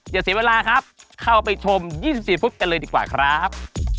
อย่าเสียเวลาครับเข้าไปชม๒๔ฟุตกันเลยดีกว่าครับ